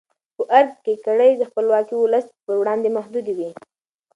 په ارګ کې کړۍ خپلواکي د ولس پر وړاندې محدودوي.